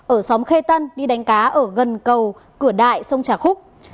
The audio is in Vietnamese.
ở xóm khê tân đi đánh cá ở gần cầu cửa đại sông trà khúc